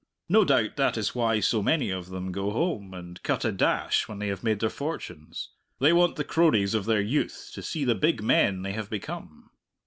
No doubt that is why so many of them go home and cut a dash when they have made their fortunes; they want the cronies of their youth to see the big men they have become.